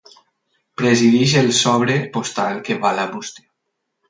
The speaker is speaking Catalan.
Presideix el sobre postal que va a la bústia.